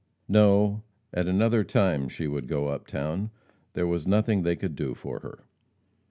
No, at another time she would go up town, there was nothing they could do for her.